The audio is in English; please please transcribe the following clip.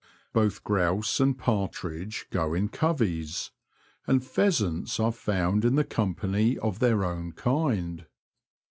Both grouse and partridge go in coveys, and pheasants are found in the com pany of their own kind.